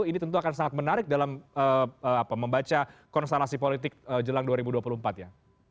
ini tentu akan sangat menarik dalam membaca konstelasi politik jelang dua ribu dua puluh empat ya